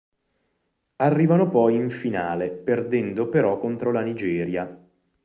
Arrivano poi in finale perdendo però contro la Nigeria.